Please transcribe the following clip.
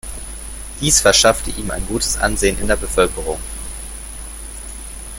Dies verschaffte ihm ein gutes Ansehen in der Bevölkerung.